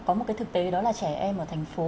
có một cái thực tế đó là trẻ em ở thành phố